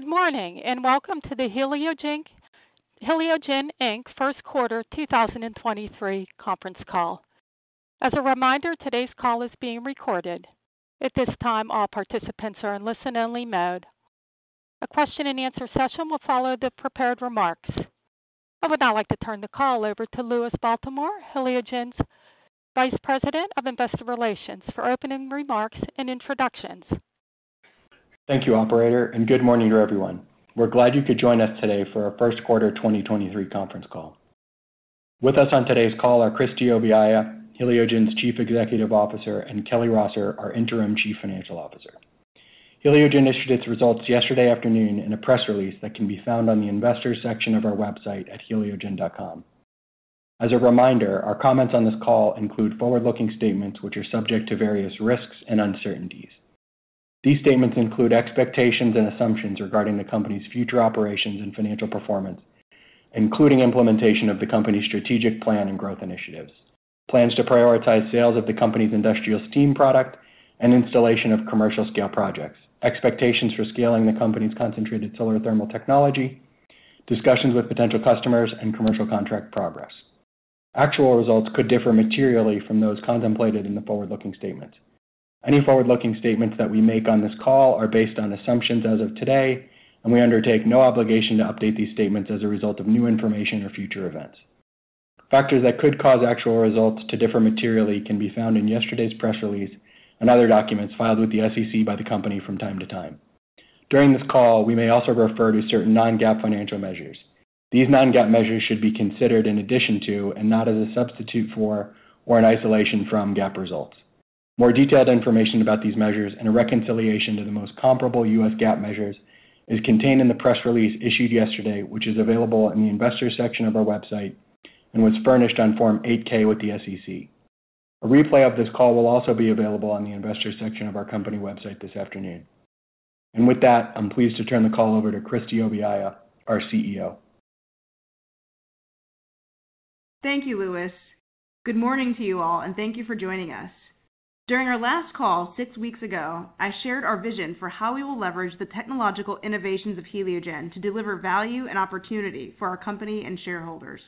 Good morning, and welcome to the Heliogen, Inc. Q1 2023 conference call. As a reminder, today's call is being recorded. At this time, all participants are in listen-only mode. A question and answer session will follow the prepared remarks. I would now like to turn the call over to Louis Baltimore, Heliogen's Vice President of Investor Relations, for opening remarks and introductions. Thank you, Operator, good morning to everyone. We're glad you could join us today for our Q1 2023 conference call. With us on today's call are Christie Obiaya, Heliogen's Chief Executive Officer; and Kelly Rosser, our Interim Chief Financial Officer. Heliogen issued its results yesterday afternoon in a press release that can be found on the investors section of our website at heliogen.com. As a reminder, our comments on this call include forward-looking statements, which are subject to various risks and uncertainties. These statements include expectations and assumptions regarding the company's future operations and financial performance, including implementation of the company's strategic plan and growth initiatives, plans to prioritize sales of the company's industrial steam product and installation of commercial scale projects, expectations for scaling the company's concentrated solar thermal technology, discussions with potential customers, and commercial contract progress. Actual results could differ materially from those contemplated in the forward-looking statements. Any forward-looking statements that we make on this call are based on assumptions as of today, and we undertake no obligation to update these statements as a result of new information or future events. Factors that could cause actual results to differ materially can be found in yesterday's press release and other documents filed with the SEC by the company from time to time. During this call, we may also refer to certain non-GAAP financial measures. These non-GAAP measures should be considered in addition to and not as a substitute for or an isolation from GAAP results. More detailed information about these measures and a reconciliation to the most comparable US GAAP measures is contained in the press release issued yesterday, which is available in the investors section of our website and was furnished on Form 8-K with the SEC. A replay of this call will also be available on the investors section of our company website this afternoon. With that, I'm pleased to turn the call over to Christie Obiaya, our CEO. Thank you, Louis. Good morning to you all, and thank you for joining us. During our last call 6 weeks ago, I shared our vision for how we will leverage the technological innovations of Heliogen to deliver value and opportunity for our company and shareholders.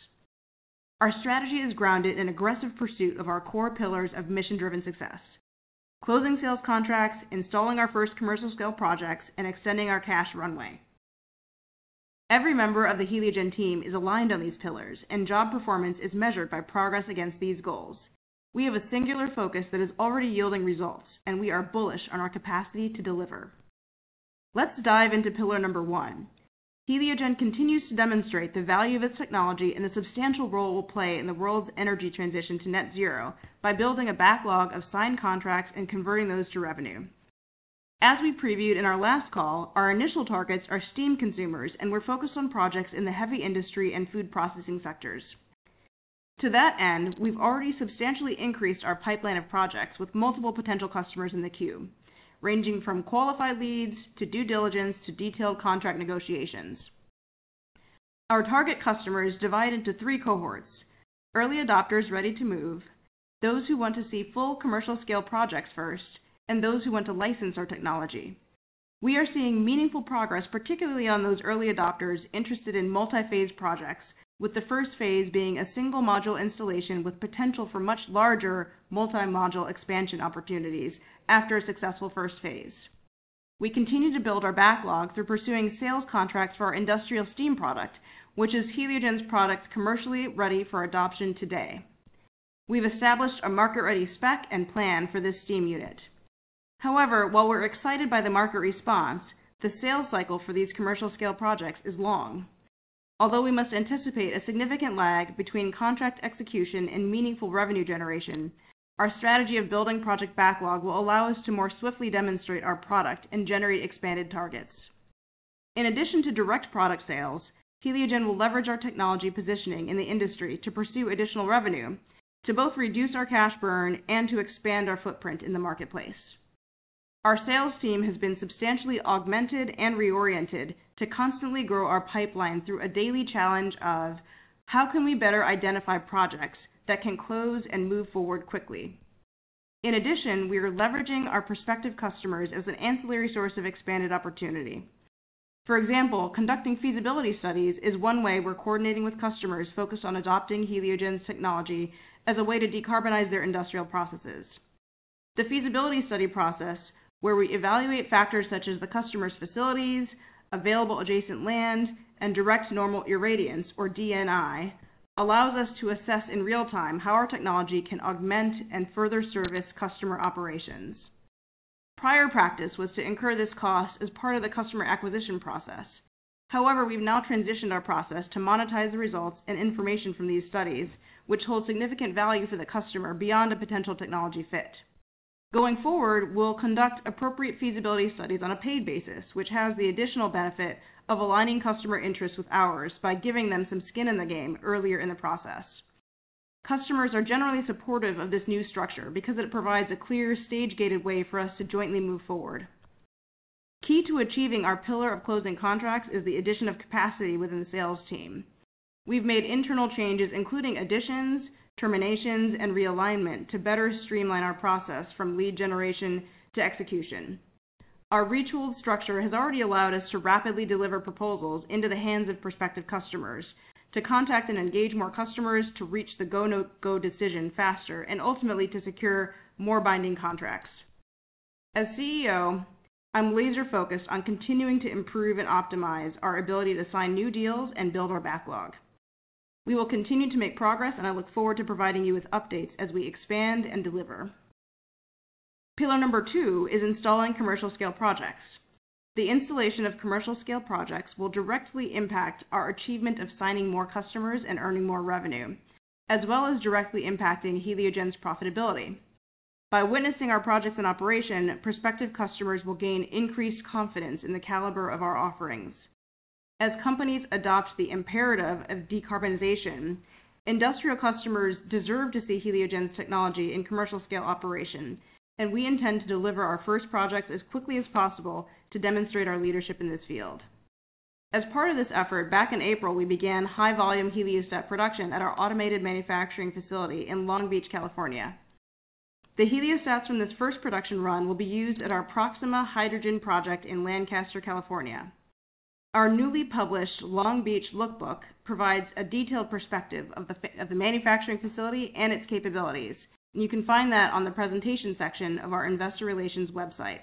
Our strategy is grounded in aggressive pursuit of our core pillars of mission-driven success: closing sales contracts, installing our first commercial scale projects, and extending our cash runway. Every member of the Heliogen team is aligned on these pillars, and job performance is measured by progress against these goals. We have a singular focus that is already yielding results, and we are bullish on our capacity to deliver. Let's dive into pillar number 1. Heliogen continues to demonstrate the value of its technology and the substantial role it will play in the world's energy transition to net zero by building a backlog of signed contracts and converting those to revenue. As we previewed in our last call, our initial targets are steam consumers, and we're focused on projects in the heavy industry and food processing sectors. To that end, we've already substantially increased our pipeline of projects with multiple potential customers in the queue, ranging from qualified leads to due diligence to detailed contract negotiations. Our target customers divide into three cohorts: early adopters ready to move, those who want to see full commercial scale projects first, and those who want to license our technology. We are seeing meaningful progress, particularly on those early adopters interested in multi-phase projects, with the first phase being a single module installation with potential for much larger multi-module expansion opportunities after a successful first phase. We continue to build our backlog through pursuing sales contracts for our industrial steam product, which is Heliogen's product commercially ready for adoption today. We've established a market-ready spec and plan for this steam unit. While we're excited by the market response, the sales cycle for these commercial scale projects is long. We must anticipate a significant lag between contract execution and meaningful revenue generation, our strategy of building project backlog will allow us to more swiftly demonstrate our product and generate expanded targets. In addition to direct product sales, Heliogen will leverage our technology positioning in the industry to pursue additional revenue to both reduce our cash burn and to expand our footprint in the marketplace. Our sales team has been substantially augmented and reoriented to constantly grow our pipeline through a daily challenge of how can we better identify projects that can close and move forward quickly. In addition, we are leveraging our prospective customers as an ancillary source of expanded opportunity. For example, conducting feasibility studies is one way we're coordinating with customers focused on adopting Heliogen's technology as a way to decarbonize their industrial processes. The feasibility study process, where we evaluate factors such as the customer's facilities, available adjacent land, and direct normal irradiance or DNI, allows us to assess in real time how our technology can augment and further service customer operations. Prior practice was to incur this cost as part of the customer acquisition process. We've now transitioned our process to monetize the results and information from these studies, which hold significant value for the customer beyond a potential technology fit. We'll conduct appropriate feasibility studies on a paid basis, which has the additional benefit of aligning customer interests with ours by giving them some skin in the game earlier in the process. Customers are generally supportive of this new structure because it provides a clear, stage-gated way for us to jointly move forward. Key to achieving our pillar of closing contracts is the addition of capacity within the sales team. We've made internal changes, including additions, terminations, and realignment to better streamline our process from lead generation to execution. Our retooled structure has already allowed us to rapidly deliver proposals into the hands of prospective customers to contact and engage more customers, to reach the go-no-go decision faster, and ultimately to secure more binding contracts. As CEO, I'm laser-focused on continuing to improve and optimize our ability to sign new deals and build our backlog. We will continue to make progress, and I look forward to providing you with updates as we expand and deliver. Pillar number two is installing commercial scale projects. The installation of commercial scale projects will directly impact our achievement of signing more customers and earning more revenue, as well as directly impacting Heliogen's profitability. By witnessing our projects in operation, prospective customers will gain increased confidence in the caliber of our offerings. As companies adopt the imperative of decarbonization, industrial customers deserve to see Heliogen's technology in commercial scale operation, and we intend to deliver our first projects as quickly as possible to demonstrate our leadership in this field. As part of this effort, back in April, we began high volume heliostat production at our automated manufacturing facility in Long Beach, California. The heliostats from this first production run will be used at our Proxima Hydrogen project in Lancaster, California. Our newly published Long Beach Manufacturing Look Book provides a detailed perspective of the manufacturing facility and its capabilities. You can find that on the presentation section of our investor relations website.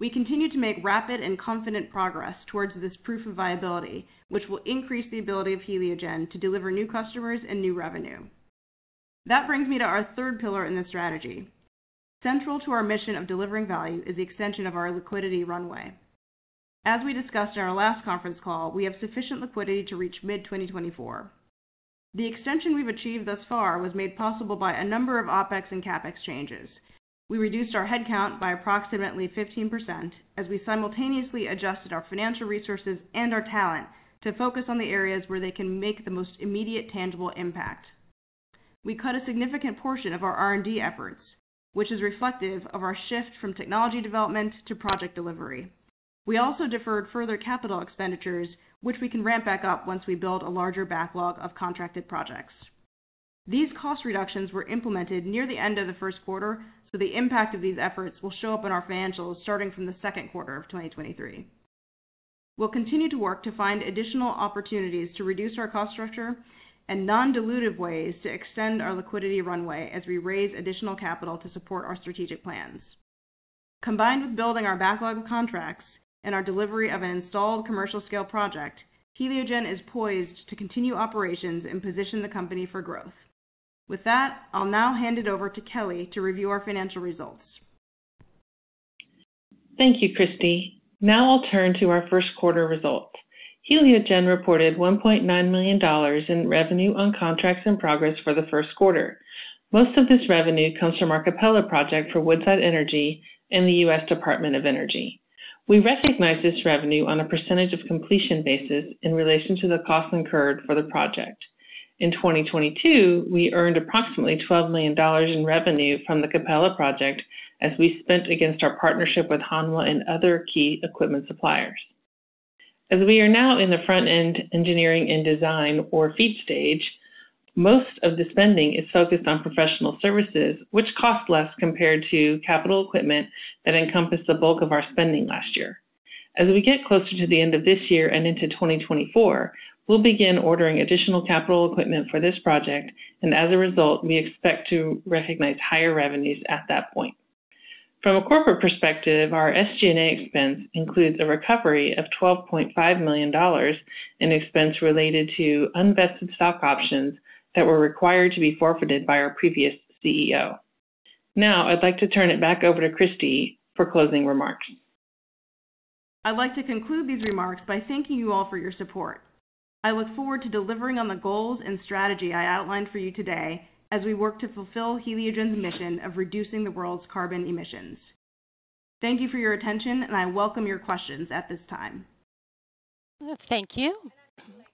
We continue to make rapid and confident progress towards this proof of viability, which will increase the ability of Heliogen to deliver new customers and new revenue. That brings me to our third pillar in this strategy. Central to our mission of delivering value is the extension of our liquidity runway. As we discussed in our last conference call, we have sufficient liquidity to reach mid-2024. The extension we've achieved thus far was made possible by a number of OpEx and CapEx changes. We reduced our headcount by approximately 15% as we simultaneously adjusted our financial resources and our talent to focus on the areas where they can make the most immediate tangible impact. We cut a significant portion of our R&D efforts, which is reflective of our shift from technology development to project delivery. We also deferred further capital expenditures, which we can ramp back up once we build a larger backlog of contracted projects. These cost reductions were implemented near the end of the Q1, so the impact of these efforts will show up in our financials starting from the Q2 of 2023. We'll continue to work to find additional opportunities to reduce our cost structure and non-dilutive ways to extend our liquidity runway as we raise additional capital to support our strategic plans. Combined with building our backlog of contracts and our delivery of an installed commercial scale project, Heliogen is poised to continue operations and position the company for growth. With that, I'll now hand it over to Kelly to review our financial results. Thank you, Christie. I'll turn to our Q1 results. Heliogen reported $1.9 million in revenue on contracts in progress for the Q1. Most of this revenue comes from our Capella project for Woodside Energy and the US Department of Energy. We recognize this revenue on a percentage of completion basis in relation to the costs incurred for the project. In 2022, we earned approximately $12 million in revenue from the Capella project as we spent against our partnership with Hanwha and other key equipment suppliers. As we are now in the front-end engineering and design or FEED stage, most of the spending is focused on professional services, which cost less compared to capital equipment that encompassed the bulk of our spending last year. As we get closer to the end of this year and into 2024, we'll begin ordering additional capital equipment for this project. As a result, we expect to recognize higher revenues at that point. From a corporate perspective, our SG&A expense includes a recovery of $12.5 million in expense related to unvested stock options that were required to be forfeited by our previous CEO. Now, I'd like to turn it back over to Christie for closing remarks. I'd like to conclude these remarks by thanking you all for your support. I look forward to delivering on the goals and strategy I outlined for you today as we work to fulfill Heliogen's mission of reducing the world's carbon emissions. Thank you for your attention. I welcome your questions at this time. Thank you.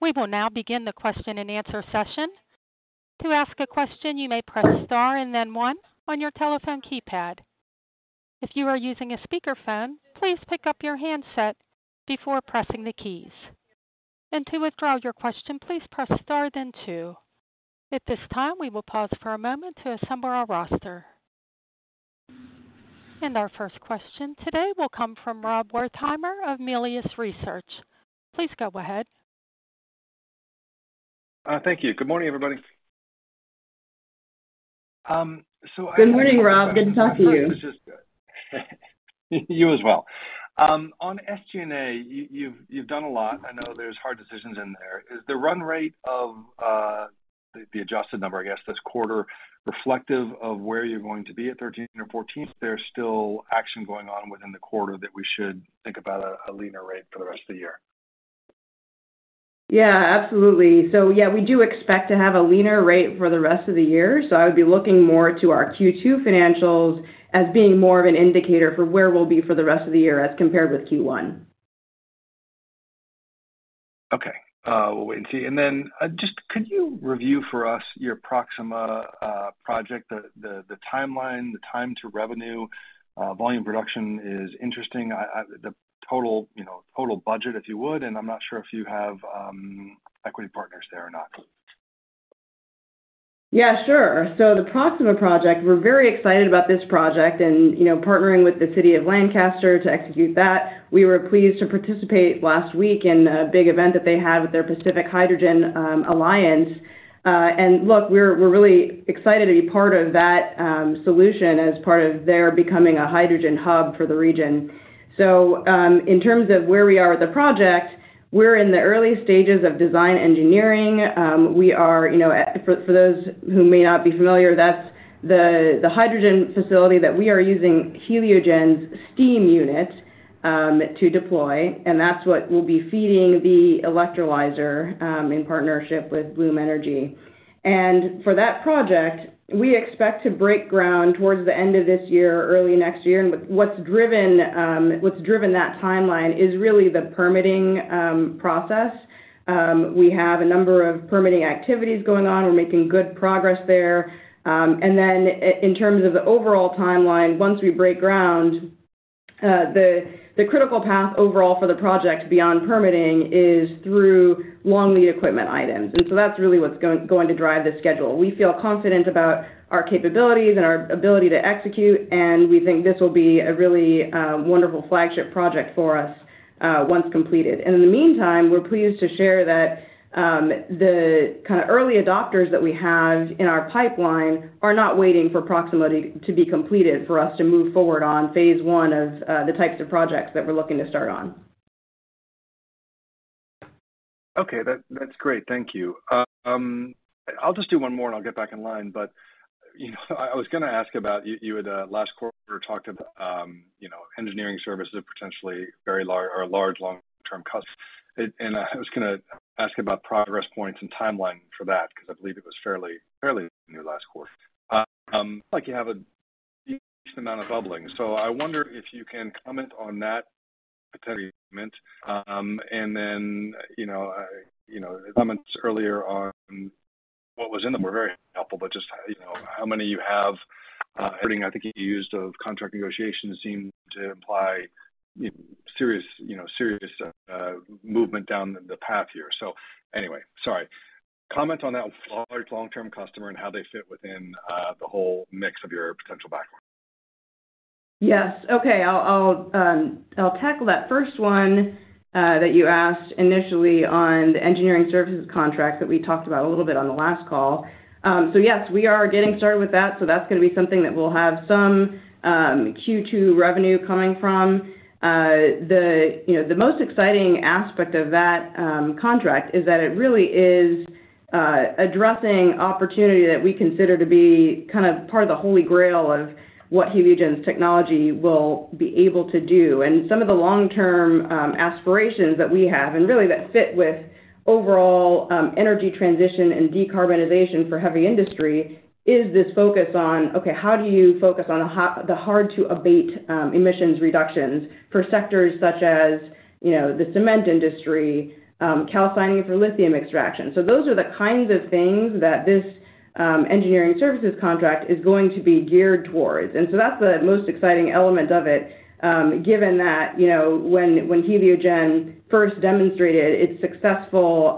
We will now begin the question and answer session. To ask a question, you may press star and then 1 on your telephone keypad. If you are using a speakerphone, please pick up your handset before pressing the keys. To withdraw your question, please press star then 2. At this time, we will pause for a moment to assemble our roster. Our first question today will come from Rob Wertheimer of Melius Research. Please go ahead. Thank you. Good morning, everybody. Good morning, Rob. Good to talk to you. You as well. On SG&A, you've done a lot. I know there's hard decisions in there. Is the run rate of the adjusted number, I guess, this quarter reflective of where you're going to be at thirteenth or fourteenth? There's still action going on within the quarter that we should think about a leaner rate for the rest of the year. Yeah, absolutely. Yeah, we do expect to have a leaner rate for the rest of the year. I would be looking more to our Q2 financials as being more of an indicator for where we'll be for the rest of the year as compared with Q1. Okay. We'll wait and see. Just could you review for us your Proxima project, the timeline, the time to revenue? Volume production is interesting. The total, you know, total budget, if you would, and I'm not sure if you have equity partners there or not. Yeah, sure. The Proxima project, we're very excited about this project and, you know, partnering with the City of Lancaster to execute that. We were pleased to participate last week in a big event that they had with their Pacific Hydrogen Alliance. Look, we're really excited to be part of that solution as part of their becoming a hydrogen hub for the region. In terms of where we are with the project, we're in the early stages of design engineering. We are, you know, for those who may not be familiar, that's the hydrogen facility that we are using Heliogen's steam unit to deploy, and that's what will be feeding the electrolyzer in partnership with Bloom Energy. For that project, we expect to break ground towards the end of this year or early next year. With what's driven, what's driven that timeline is really the permitting process. We have a number of permitting activities going on. We're making good progress there. Then in terms of the overall timeline, once we break ground, the critical path overall for the project beyond permitting is through long lead equipment items. So that's really what's going to drive the schedule. We feel confident about our capabilities and our ability to execute, and we think this will be a really wonderful flagship project for us once completed. In the meantime, we're pleased to share that the kinda early adopters that we have in our pipeline are not waiting for Proxima to be completed for us to move forward on phase 1 of the types of projects that we're looking to start on. Okay. That's great. Thank you. I'll just do one more, and I'll get back in line. You know, I was gonna ask about, you had last quarter talked about, you know, engineering services potentially very or a large long-term customer. I was gonna ask about progress points and timeline for that because I believe it was fairly new last quarter. Like you have a huge amount of bubbling. I wonder if you can comment on that potential commitment, and then, you know, you know, comments earlier on what was in them were very helpful. Just, you know, how many you have, wording I think you used of contract negotiations seem to imply, you know, serious movement down the path here. Anyway, sorry. Comment on that large long-term customer and how they fit within the whole mix of your potential backlog. Yes. Okay. I'll tackle that first one that you asked initially on the engineering services contract that we talked about a little bit on the last call. Yes, we are getting started with that, so that's gonna be something that we'll have some Q2 revenue coming from. The, you know, the most exciting aspect of that contract is that it really is addressing opportunity that we consider to be kind of part of the holy grail of what Heliogen's technology will be able to do. Some of the long-term aspirations that we have and really that fit with overall energy transition and decarbonization for heavy industry is this focus on, okay, how do you focus on the hard to abate emissions reductions for sectors such as, you know, the cement industry, calcining for lithium extraction. Those are the kinds of things that this engineering services contract is going to be geared towards. That's the most exciting element of it, given that, you know, when Heliogen first demonstrated its successful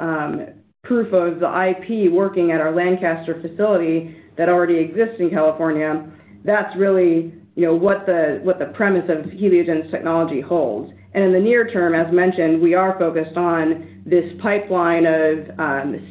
proof of the IP working at our Lancaster facility that already exists in California, that's really, you know, what the premise of Heliogen's technology holds. In the near term, as mentioned, we are focused on this pipeline of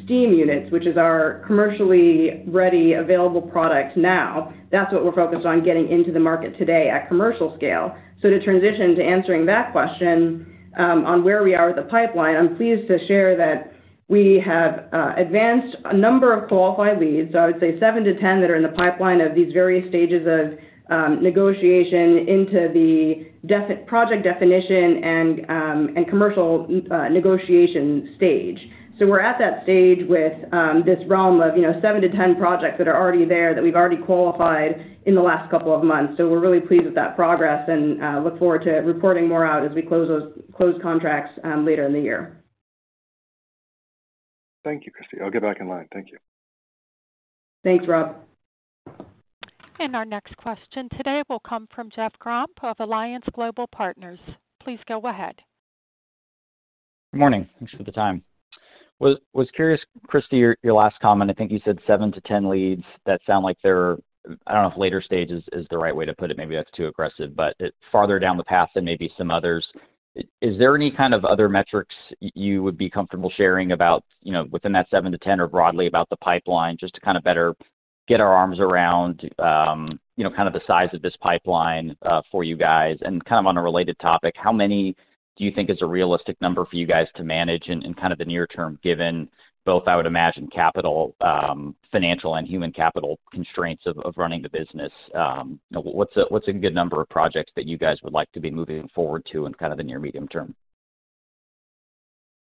steam units, which is our commercially ready available product now. That's what we're focused on getting into the market today at commercial scale. To transition to answering that question, on where we are with the pipeline, I'm pleased to share that we have advanced a number of qualified leads, so I would say 7-10 that are in the pipeline of these various stages of negotiation into the project definition and commercial negotiation stage. We're at that stage with, you know, 7-10 projects that are already there that we've already qualified in the last couple of months. We're really pleased with that progress and look forward to reporting more out as we close contracts later in the year. Thank you, Christie. I'll get back in line. Thank you. Thanks, Rob. Our next question today will come from Jeff Grampp of Alliance Global Partners. Please go ahead. Good morning. Thanks for the time. Was curious, Christie, your last comment, I think you said 7 to 10 leads. That sound like they're, I don't know if later stages is the right way to put it, maybe that's too aggressive, but farther down the path than maybe some others. Is there any kind of other metrics you would be comfortable sharing about, you know, within that 7 to 10 or broadly about the pipeline, just to kind of better get our arms around, you know, kind of the size of this pipeline for you guys? Kind of on a related topic, how many do you think is a realistic number for you guys to manage in kind of the near term, given both, I would imagine, capital, financial and human capital constraints of running the business? What's a good number of projects that you guys would like to be moving forward to in kind of the near/medium term?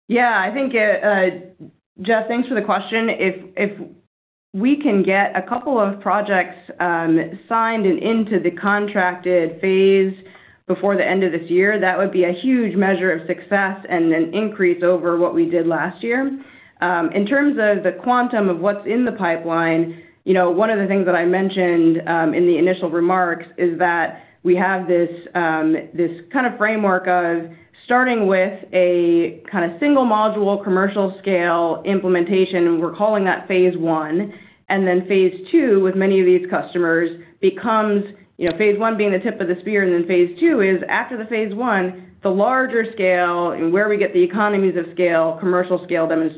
Yeah. I think it, Jeff, thanks for the question. If we can get a couple of projects signed and into the contracted phase before the end of this year. That would be a huge measure of success and an increase over what we did last year. In terms of the quantum of what's in the pipeline, you know, one of the things that I mentioned in the initial remarks is that we have this kinda framework of starting with a kinda single module commercial scale implementation. We're calling that phase one. Then phase two with many of these customers becomes, you know, phase one being the tip of the spear and then phase two is after the phase one, the larger scale and where we get the economies of scale, commercial scale demos,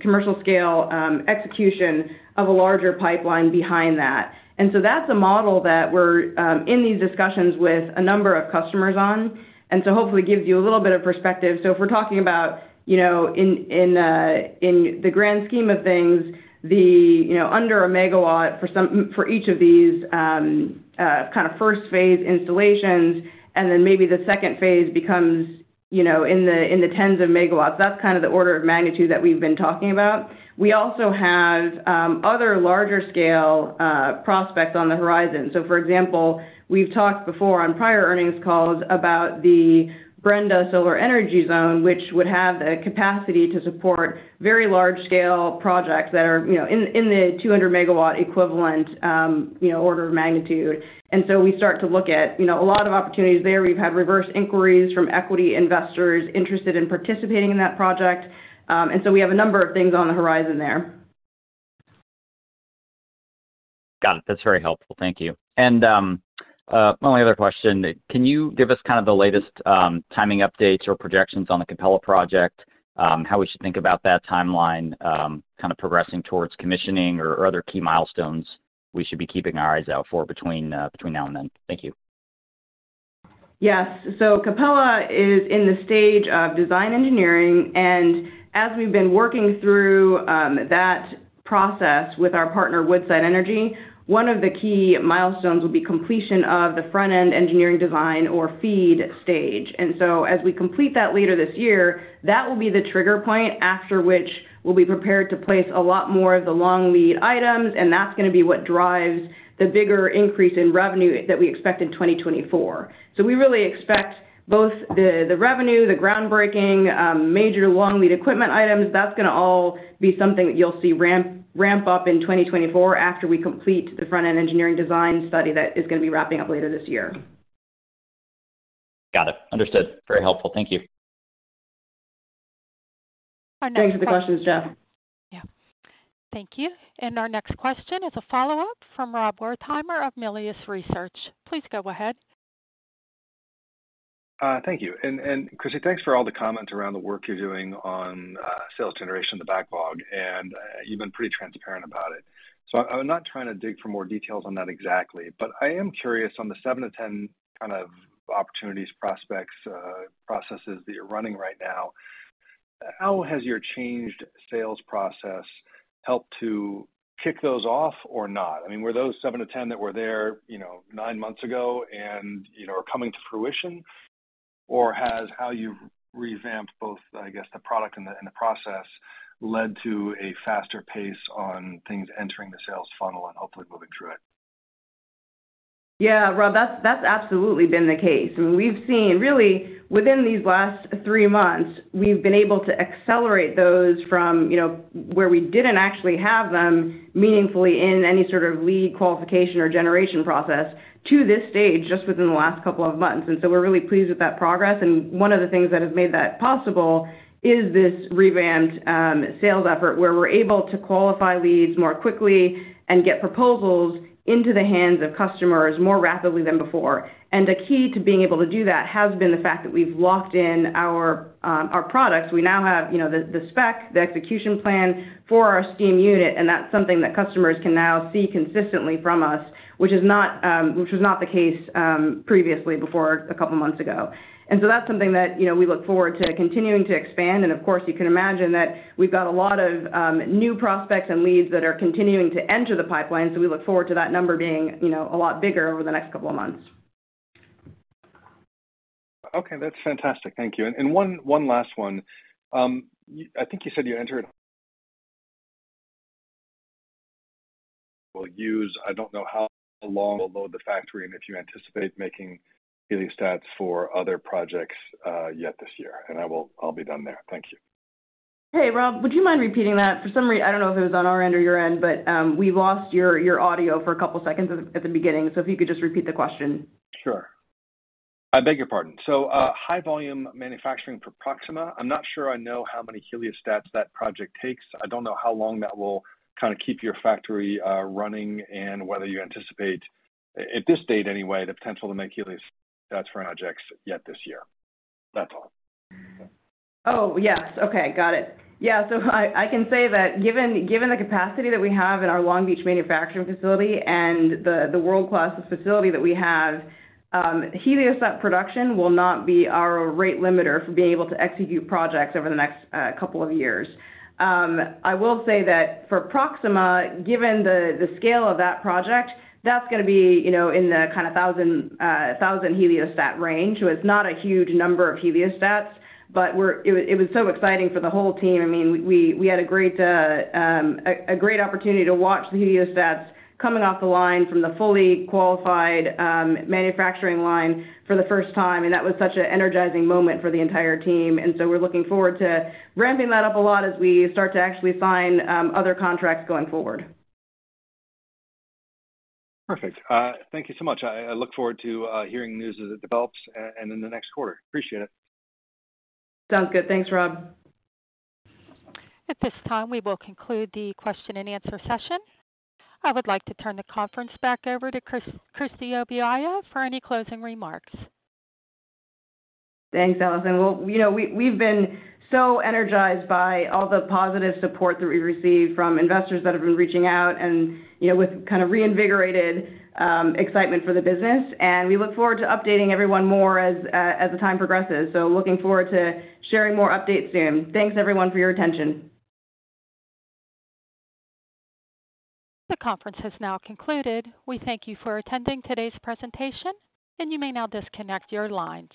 commercial scale execution of a larger pipeline behind that. That's a model that we're in these discussions with a number of customers on. Hopefully it gives you a little bit of perspective. If we're talking about, you know, in the grand scheme of things, the, you know, under 1 megawatt for each of these kinda first phase installations and then maybe the second phase becomes, you know, in the tens of megawatts, that's kind of the order of magnitude that we've been talking about. We also have other larger scale prospects on the horizon. For example, we've talked before on prior earnings calls about the Brenda Solar Energy Zone, which would have the capacity to support very large scale projects that are, you know, in the 200 megawatt equivalent, order of magnitude. We start to look at, you know, a lot of opportunities there. We've had reverse inquiries from equity investors interested in participating in that project. We have a number of things on the horizon there. Got it. That's very helpful. Thank you. One other question. Can you give us kind of the latest timing updates or projections on the Capella project, how we should think about that timeline, kinda progressing towards commissioning or other key milestones we should be keeping our eyes out for between now and then? Thank you. Yes. Capella is in the stage of design engineering, and as we've been working through that process with our partner, Woodside Energy, one of the key milestones will be completion of the front-end engineering design or FEED stage. As we complete that later this year, that will be the trigger point after which we'll be prepared to place a lot more of the long lead items, and that's gonna be what drives the bigger increase in revenue that we expect in 2024. We really expect both the revenue, the groundbreaking, major long lead equipment items, that's gonna all be something that you'll see ramp up in 2024 after we complete the front-end engineering design study that is gonna be wrapping up later this year. Got it. Understood. Very helpful. Thank you. Thanks for the questions, Jeff. Yeah. Thank you. Our next question is a follow-up from Rob Wertheimer of Melius Research. Please go ahead. Thank you. And Christie, thanks for all the comments around the work you're doing on sales generation, the backlog, and you've been pretty transparent about it. I'm not trying to dig for more details on that exactly, but I am curious on the 7-10 kind of opportunities, prospects, processes that you're running right now, how has your changed sales process helped to kick those off or not? I mean, were those 7-10 that were there, you know, 9 months ago and, you know, are coming to fruition? Has how you've revamped both, I guess, the product and the process led to a faster pace on things entering the sales funnel and hopefully moving through it? Yeah. Rob, that's absolutely been the case. We've seen really within these last three months, we've been able to accelerate those from, you know, where we didn't actually have them meaningfully in any sort of lead qualification or generation process to this stage just within the last couple of months. So we're really pleased with that progress. One of the things that has made that possible is this revamped sales effort where we're able to qualify leads more quickly and get proposals into the hands of customers more rapidly than before. The key to being able to do that has been the fact that we've locked in our products. We now have, you know, the spec, the execution plan for our steam unit, and that's something that customers can now see consistently from us, which is not, which was not the case, previously before a couple months ago. That's something that, you know, we look forward to continuing to expand. Of course, you can imagine that we've got a lot of new prospects and leads that are continuing to enter the pipeline. We look forward to that number being, you know, a lot bigger over the next couple of months. Okay. That's fantastic. Thank you. One last one. I think you said you entered will use. I don't know how long will load the factory and if you anticipate making heliostats for other projects yet this year. I'll be done there. Thank you. Hey, Rob, would you mind repeating that? For some reason, I don't know if it was on our end or your end, but we lost your audio for a couple seconds at the beginning. If you could just repeat the question. Sure. I beg your pardon. High volume manufacturing for Proxima, I'm not sure I know how many heliostats that project takes. I don't know how long that will kinda keep your factory running and whether you anticipate, at this stage anyway, the potential to make heliostats for projects yet this year. That's all. Oh, yes. Okay. Got it. Yeah. I can say that given the capacity that we have in our Long Beach manufacturing facility and the world-class facility that we have, heliostat production will not be our rate limiter for being able to execute projects over the next couple of years. I will say that for Proxima, given the scale of that project, that's gonna be, you know, in the kinda 1,000 heliostat range. It's not a huge number of heliostats, but it was so exciting for the whole team. I mean, we had a great opportunity to watch the heliostats coming off the line from the fully qualified manufacturing line for the first time, and that was such an energizing moment for the entire team. We're looking forward to ramping that up a lot as we start to actually sign, other contracts going forward. Perfect. Thank you so much. I look forward to hearing news as it develops and in the next quarter. Appreciate it. Sounds good. Thanks, Rob. At this time, we will conclude the question and answer session. I would like to turn the conference back over to Christie Obiaya for any closing remarks. Thanks, Allison. Well, you know, we've been so energized by all the positive support that we've received from investors that have been reaching out and, you know, with kind of reinvigorated excitement for the business. We look forward to updating everyone more as the time progresses. Looking forward to sharing more updates soon. Thanks everyone for your attention. The conference has now concluded. We thank you for attending today's presentation. You may now disconnect your lines.